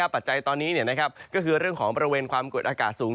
ปัจจัยตอนนี้ก็คือเรื่องของบริเวณความกดอากาศสูง